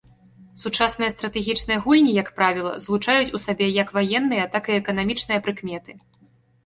Сучасныя стратэгічныя гульні, як правіла, злучаюць у сабе як ваенныя, так і эканамічныя прыкметы.